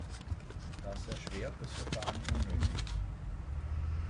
Das erschwert das Verfahren unnötig.